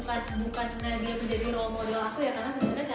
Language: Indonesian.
yang aku ibaratnya kalo ada dia